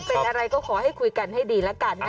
เป็นอะไรก็ขอให้คุยกันให้ดีแล้วกันนะ